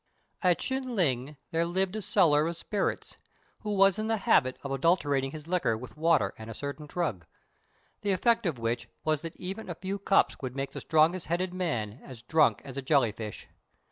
At Chin ling there lived a seller of spirits, who was in the habit of adulterating his liquor with water and a certain drug, the effect of which was that even a few cups would make the strongest headed man as drunk as a jelly fish.